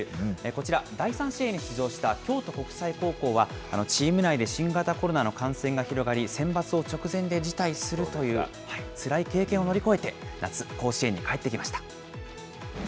こちら、第３試合に出場した京都国際高校は、チーム内で新型コロナの感染が広がり、センバツを直前で辞退するというつらい経験を乗り越えて、夏、甲子園に帰ってきました。